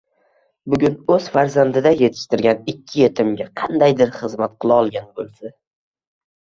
Bugun o'z farzandiday yetishtirgan ikki yetimiga qandaydir xizmat qilolgan bo'lsa